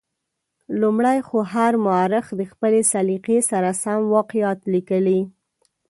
لومړی خو هر مورخ د خپلې سلیقې سره سم واقعات لیکلي.